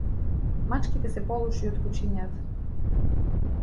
Мачките се полоши од кучињата.